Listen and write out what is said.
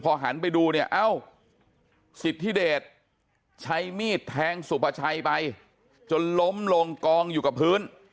หันไปดูเนี่ยเอ้าสิทธิเดชใช้มีดแทงสุภาชัยไปจนล้มลงกองอยู่กับพื้น